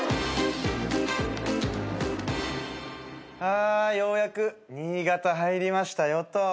あようやく新潟入りましたよと。